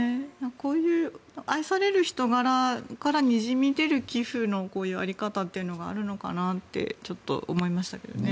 こういう愛される人柄からにじみ出る寄付の在り方というのがあるのかなってちょっと思いましたけどね。